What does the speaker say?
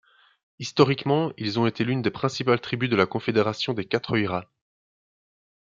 Historiquement, ils ont été l'une des principales tribus de la confédération des Quatre Oïrats.